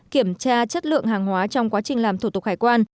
kiểm tra chất lượng hàng hóa trong quá trình làm thủ tục hải quan